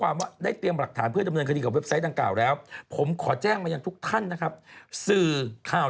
วันนี้ปั้นจันทร์ไปแจ้งบอกว่า